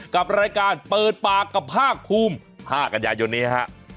กับรายการเปิดปากกับภาคภูมิ๕กันยายนนี้ฮะ